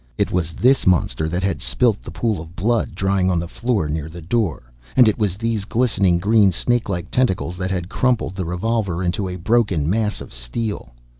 It was this monster that had spilt the pool of blood drying on the floor, near the door. And it was these glistening, green, snake like tentacles that had crumpled the revolver into a broken mass of steel!